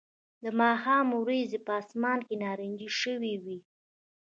د ماښام وریځې په آسمان کې نارنجي شوې وې